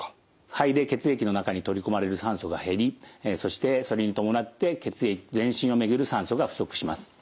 肺で血液の中に取り込まれる酸素が減りそしてそれに伴って全身を巡る酸素が不足します。